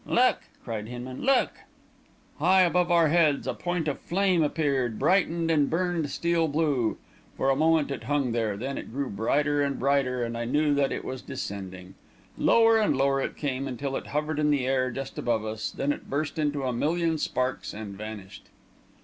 "Look!" cried Hinman. "Look!" High above our heads a point of flame appeared, brightened and burned steel blue. For a moment it hung there, then it grew brighter and brighter, and I knew that it was descending. Lower and lower it came, until it hovered in the air just above us; then it burst into a million sparks and vanished.